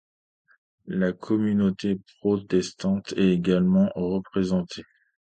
La Communauté Protestante est également représentée.